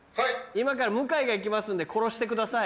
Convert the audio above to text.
今から向井が行きますんで殺してください。